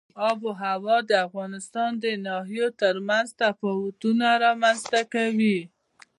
آب وهوا د افغانستان د ناحیو ترمنځ تفاوتونه رامنځ ته کوي.